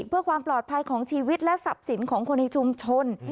เพื่อความปลอดภัยของชีวิตและทรัพย์สินของคนในชุมชน